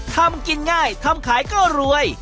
ทำกินง่ายทำขายก็รวย